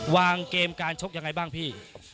เกมการชกยังไงบ้างพี่